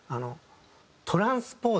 トランスポーズ。